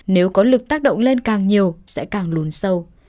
nếu có lực tác động lên càng nhiều sẽ càng lún sâu